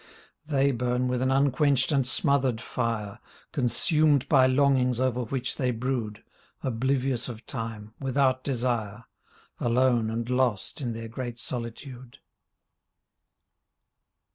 They burn with an unquenched and smothered fire Consumed by longings over which they brood. Oblivious of time, without desire. Alone and lost in their great solitude.